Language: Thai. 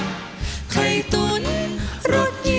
เมนูไข่เมนูไข่อร่อยแท้อยากกิน